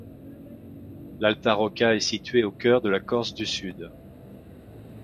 L'Alta Rocca est situé au cœur de la Corse-du-Sud.